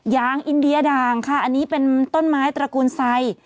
อินเดียด่างค่ะอันนี้เป็นต้นไม้ตระกูลไซ